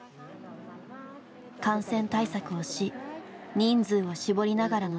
感染対策をし人数を絞りながらの実施です。